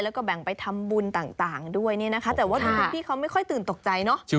แล้วก็แบ่งไปทำบุญต่างด้วยเนี่ยนะคะแต่ว่าคุณพี่เขาไม่ค่อยตื่นตกใจเนอะ